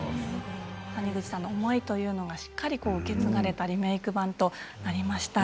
谷口さんの思いがしっかり受け継がれたリメーク版となりました。